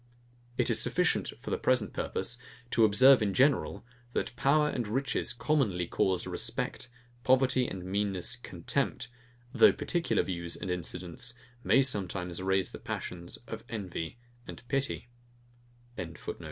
It is sufficient for the present purpose to observe in general, that power and riches commonly cause respect, poverty and meanness contempt, though particular views and incidents may sometimes raise the passions of envy and of pity.